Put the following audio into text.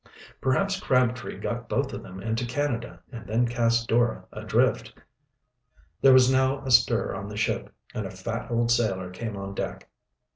"Perhaps Crabtree got both of them into Canada and then cast Dora adrift." There was now a stir on the ship, and a fat old sailor came on deck.